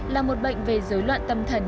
là một bệnh về rối loạn tâm thần